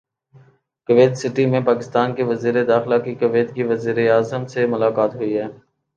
Kuwait City میں پاکستان کے وزیر داخلہ کی کویت کے وزیراعظم سے ملاقات ہوئی ہے